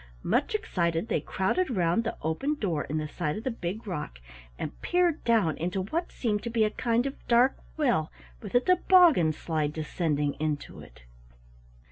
Much excited, they crowded round the open door in the side of the big rock and peered down into what seemed to be a kind of dark well with a toboggan slide descending into it.